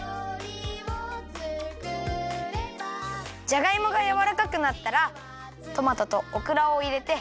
じゃがいもがやわらかくなったらトマトとオクラをいれて。